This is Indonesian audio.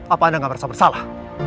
apa anda gak merasa bersalah